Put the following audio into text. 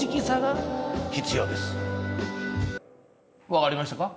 分かりましたか？